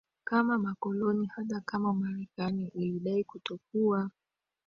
kama makoloni hata kama Marekani ilidai kutokuwa